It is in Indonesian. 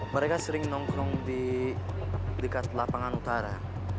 mereka sering nongkrong di dekat lapangan utara